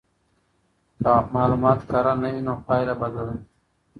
که معلومات کره نه وي نو پایله بده ده.